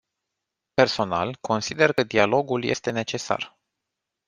Personal, consider că dialogul este necesar.